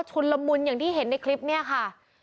ละมุนอย่างที่เห็นในคลิปนี้ค่ะ